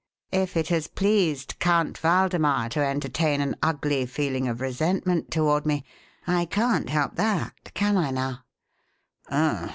If it has pleased Count Waldemar to entertain an ugly feeling of resentment toward me, I can't help that, can I now?"